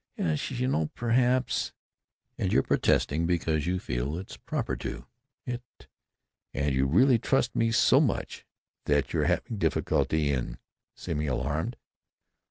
"Yes, just now, perhaps——" "And you're protesting because you feel it's proper to——" "It——" "And you really trust me so much that you're having difficulty in seeming alarmed?"